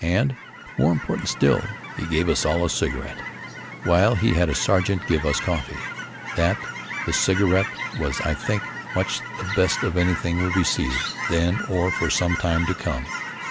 And, more important still, he gave us all a cigarette, while he had a sergeant give us coffee. That, the cigarette, was I think much the best of anything we received then or for some time to come.